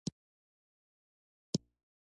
التقاطي سمون عربي کلمه ده.